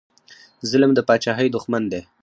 ظلم د پاچاهۍ دښمن دی